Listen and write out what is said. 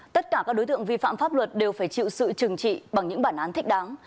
tất cả các đối tượng vi phạm pháp luật đều phải chịu sự trừng trị bằng những bản án thích đáng